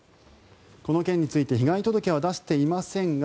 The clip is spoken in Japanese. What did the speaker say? この件について被害届は出していませんが